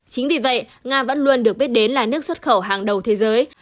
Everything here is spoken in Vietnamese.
chính vì vậy nga vẫn luôn được biết đến là nước xuất khẩu hàng đầu thế giới